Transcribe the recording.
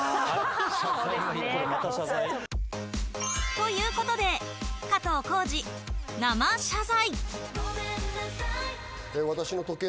ということで、加藤浩次、生謝罪。